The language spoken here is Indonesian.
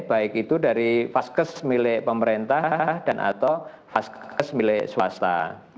baik itu dari vaskes milik pemerintah dan atau vaskes milik swasta